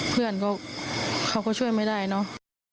เพื่อนก็เขาก็ช่วยไม่ได้เนอะ